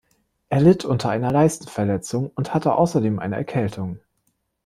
Er litt unter einer Leistenverletzung und hatte außerdem eine Erkältung.